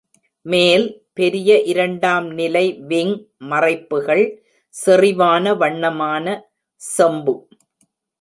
மேல், பெரிய இரண்டாம் நிலை விங் மறைப்புகள் செறிவான வண்ணமான செம்பு.